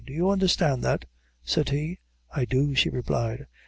Do you understand that?" said he. "I do," she replied.